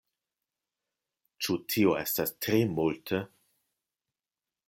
Ĉu tio estas tre multe?